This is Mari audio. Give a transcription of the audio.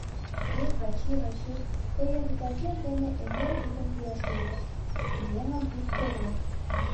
Эй, Вачи, Вачи, тыйын титакет дене эҥер вӱдым пӱяш лиеш, еҥым ит тӧрлӧ.